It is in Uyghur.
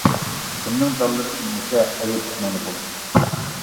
كىمنىڭ دانلىرى ئۈنمىسە ئەيىب شۇنىڭدا بولىدۇ.